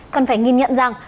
cần phải nhìn nhận rằng